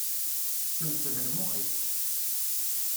Semsed lmux-ik.